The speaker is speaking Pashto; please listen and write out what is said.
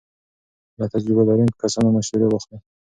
له تجربو لرونکو کسانو مشورې واخلئ.